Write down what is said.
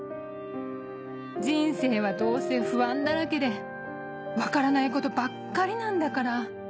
「人生はどうせ不安だらけで分からないことばっかりなんだから。